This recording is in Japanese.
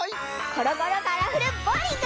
コロコロカラフルボウリング！